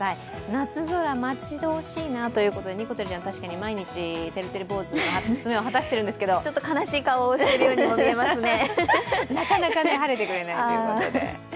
夏空、待ち遠しいなということで、にこてるちゃん、確かに、にこてるちゃん、てるてる坊主の役目を果たしてるんですけど、悲しい顔をしているようにも見えますね。